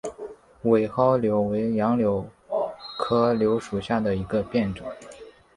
伪蒿柳为杨柳科柳属下的一个变种。